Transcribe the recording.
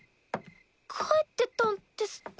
帰ってたんですか？